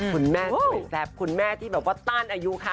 คุณแม่สวยแซ่บคุณแม่ที่แบบว่าต้านอายุคะ